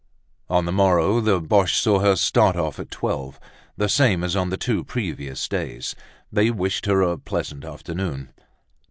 On the morrow, the Boches saw her start off at twelve, the same as on the two previous days. They wished her a pleasant afternoon.